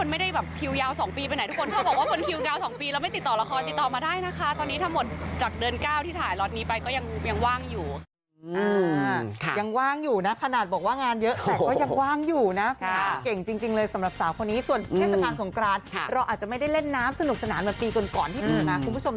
ไม่ได้เล่นน้ำสนุกสนานเหมือนปีก่อนที่เกิดมาคุณผู้ชม